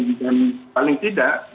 dan paling tidak